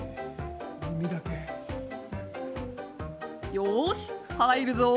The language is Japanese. よーしはいるぞー。